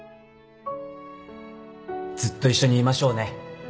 ずっと一緒にいましょうね